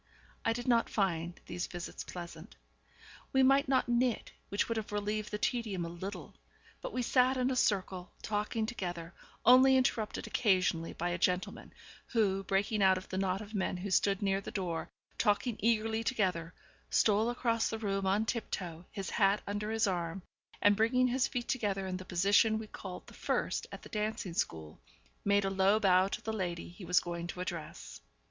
I did not find these visits pleasant. We might not knit, which would have relieved the tedium a little; but we sat in a circle, talking together, only interrupted occasionally by a gentleman, who, breaking out of the knot of men who stood near the door, talking eagerly together, stole across the room on tiptoe, his hat under his arm, and, bringing his feet together in the position we called the first at the dancing school, made a low bow to the lady he was going to address.